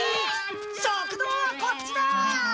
食堂はこっちだ！